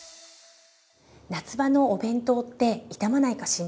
夏場のお弁当って傷まないか心配じゃないですか？